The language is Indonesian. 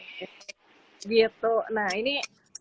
gitu nah ini